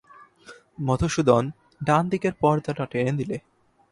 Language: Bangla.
মধুসূদন ডান দিকের পর্দাটা টেনে দিলে।